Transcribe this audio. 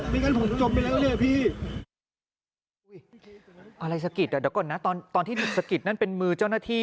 งั้นผมจมไปแล้วเนี่ยพี่อุ้ยอะไรสะกิดอ่ะเดี๋ยวก่อนนะตอนตอนที่ถูกสะกิดนั่นเป็นมือเจ้าหน้าที่